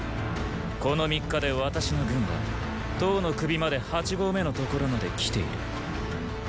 この三日で私の軍は騰の首まで八合目のところまで来ている。